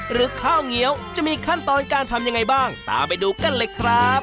ข้าวเงี้ยวจะมีขั้นตอนการทำยังไงบ้างตามไปดูกันเลยครับ